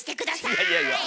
いやいやいや！